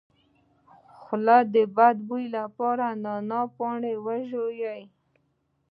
د خولې د بد بوی لپاره د نعناع پاڼې وژويئ